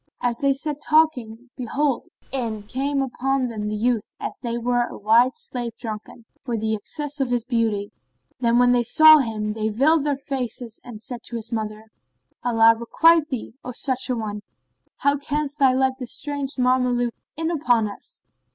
As they sat talking, behold, in came upon them the youth as he were a white slave drunken[FN#31] for the excess of his beauty; and when they saw him, they veiled their faces and said to his mother, "Allah requite thee, O such an one! How canst thou let this strange Mameluke in upon us?